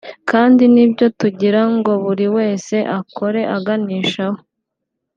kandi ni byo tugira ngo buri wese akore aganishaho